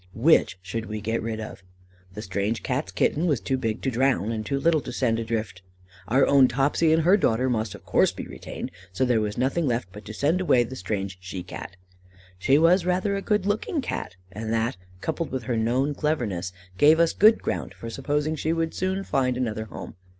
Which should we get rid of? The strange Cat's kitten was too big to drown and too little to send adrift; our own 'Topsy' and her daughter must, of course, be retained, so there was nothing left but to send away the strange she Cat. She was rather a good looking Cat, and that, coupled with her known cleverness, gave us good ground for supposing that she would soon find another home.